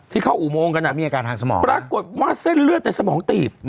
ที่เข้าอุโมงกันปรากฏว่าเส้นเลือดในสมองตีบ